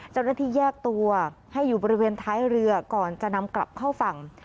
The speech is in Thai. เจ้าหน้าที่แยกตัวให้อยู่บริเวณท้ายเรือก่อนจะนำกลับเข้าฝั่ง